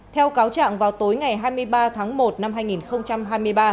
theo cáo trạng vào tối ngày hai mươi ba tháng một năm hai nghìn hai mươi ba